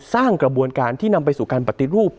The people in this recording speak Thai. สร้างกระบวนการที่นำไปสู่การปฏิรูป